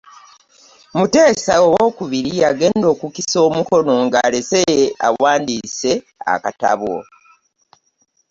Muteesa owookubiri yagenda okukisa omukono ng'alese awandiise akatabo.